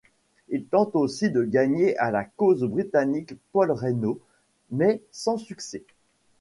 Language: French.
Il tente aussi de gagner à la cause britannique Paul Reynaud mais sans succès.